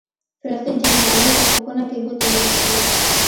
فرښتې جنګیالیو ته په کونه کې ګوتې ورمنډي.